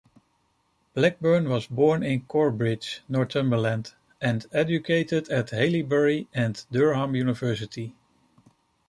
Blackburn was born in Corbridge, Northumberland and educated at Haileybury and Durham University.